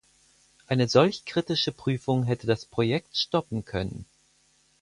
Eine solch kritische Prüfung hätte das Projekt stoppen können.